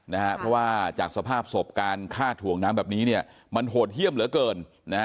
เพราะว่าจากสภาพศพการฆ่าถ่วงน้ำแบบนี้เนี่ยมันโหดเยี่ยมเหลือเกินนะฮะ